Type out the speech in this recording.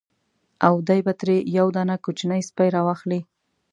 او دی به ترې یو دانه کوچنی سپی را واخلي.